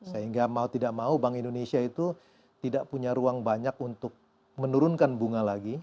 sehingga mau tidak mau bank indonesia itu tidak punya ruang banyak untuk mengembang